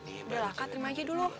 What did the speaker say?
udah lah kak terima aja dulu